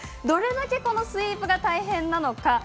どれだけスイープが大変なのか